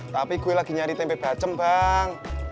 tapi gue lagi nyari tempe bacem bang